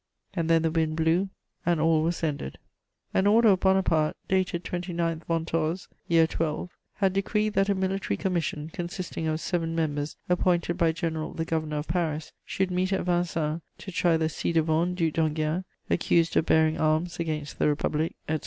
And then the wind blew, and all was ended. * An order of Bonaparte, dated 29 Ventôse, Year XII, had decreed that a military commission, consisting of seven members appointed by General the Governor of Paris should meet at Vincennes to try "the ci devant Duc d'Enghien, accused of bearing arms against the Republic," etc.